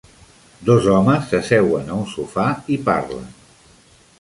Dos homes s'asseuen a un sofà i parlen.